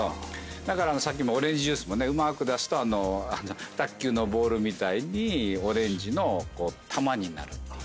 だからさっきもオレンジジュースもねうまーく出すと卓球のボールみたいにオレンジの球になるっていう。